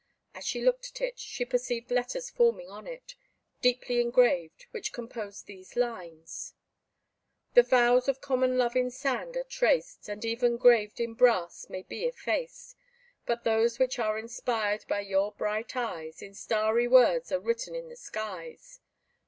As she looked at it, she perceived letters forming on it, deeply engraved, which composed these lines: The vows of common love in sand are traced, And, even 'graved in brass, may be effaced; But those which are inspired by your bright eyes, In starry words are written in the skies.